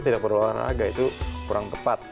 tidak berolahraga itu kurang tepat